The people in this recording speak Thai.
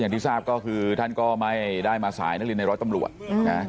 ที่ทราบก็คือท่านก็ไม่ได้มาสายนักเรียนในร้อยตำรวจนะ